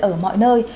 ở mọi nơi